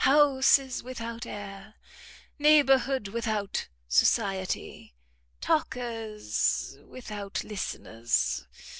Houses without air! Neighbourhood without society! Talkers without listeners!